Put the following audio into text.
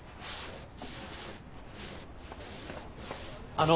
あの。